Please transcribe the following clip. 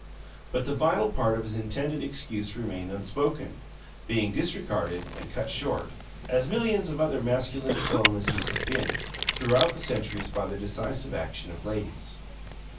But the vital part of his intended excuse remained unspoken, being disregarded and cut short, as millions of other masculine diplomacies have been, throughout the centuries, by the decisive action of ladies.